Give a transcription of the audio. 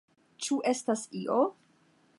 Ĉu estas io?